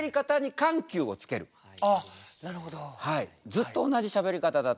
ずっと同じしゃべり方だったので。